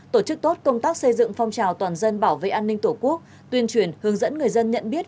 tổ chức tốt công tác xây dựng phong trào toàn dân bảo vệ an ninh tổ quốc tuyên truyền hướng dẫn người dân nhận biết